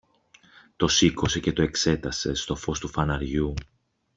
Το σήκωσε και το εξέτασε στο φως του φαναριού.